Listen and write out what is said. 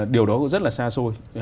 điều đó cũng rất là xa xôi